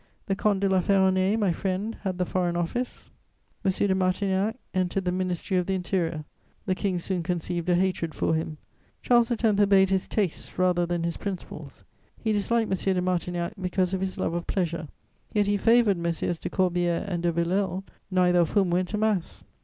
The Comte de La Ferronnays, my friend, had the Foreign Office. M. de Martignac, entered the Ministry of the Interior; the King soon conceived a hatred for him. Charles X. obeyed his tastes rather than his principles: he disliked M. de Martignac because of his love of pleasure, yet he favoured Messieurs de Corbière and de Villèle, neither of whom went to Mass.